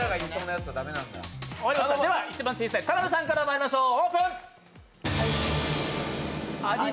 一番小さい、田辺さんからまいりましょう。